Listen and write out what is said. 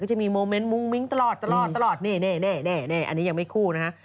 จะมีโมเมนต์มุ้งมิ้งตลอดตลอดนี่อันนี้ยังไม่คู่นะฮะ